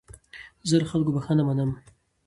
زه له خلکو بخښنه منم.